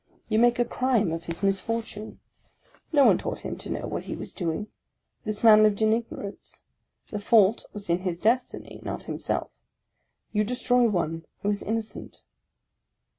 you make a crime of his misfortune! No one taught him to know what he was doing; this man lived in ignorance : the fault was in his destiny, not himself. You destroy one who is innocent.